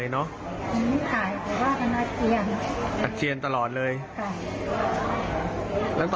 ไม่ถ่ายเลยเนอะ